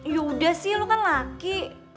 yaudah sih lu kan laki